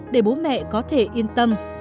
để bố mẹ có thể yên tâm